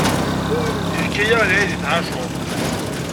Ifka-yaɣ lεid i tεacurt.